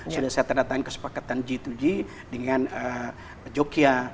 sudah saya terdatang kesepakatan g dua g dengan jokya